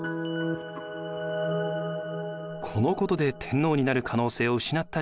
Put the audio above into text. このことで天皇になる可能性を失った人物がいました。